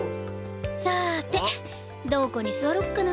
さてどこに座ろっかな。